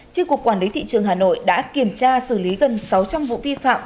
trên cục quản lý thị trường hà nội đã kiểm tra xử lý gần sáu trăm linh vụ vi phạm